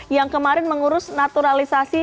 yang kemarin mengurus naturalisasi